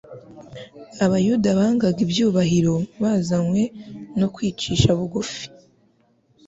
Abayuda bangaga ibyubahiro bizanywe no kwicisha bugufi.